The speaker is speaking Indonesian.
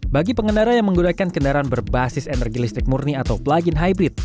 bagi pengendara yang menggunakan kendaraan berbasis energi listrik murni atau plug in hybrid